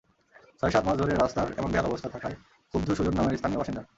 ছয়-সাত মাস ধরে রাস্তার এমন বেহাল অবস্থা থাকায় ক্ষুব্ধ সুজন নামের স্থানীয় বাসিন্দা।